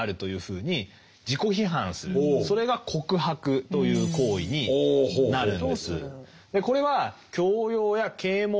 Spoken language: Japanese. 従ってそれが告白という行為になるんです。